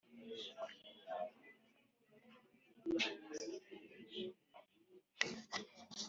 iyo mu iburanisha uregwa atitabye nta